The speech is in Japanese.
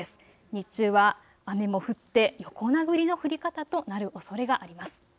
日中は雨も降って横殴りの降り方となるおそれがあります。